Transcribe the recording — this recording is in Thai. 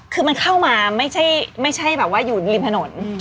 คือมันเข้ามาไม่ใช่อยู่ริมถนน